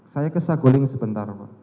saya kesaguling sebentar pak